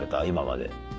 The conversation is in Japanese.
今まで。